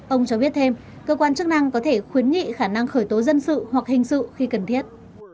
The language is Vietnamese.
ông cho biết thêm cơ quan chức năng có thể khuyến nghị khả năng khởi tố dân sự hoặc hình sự khi cần thiết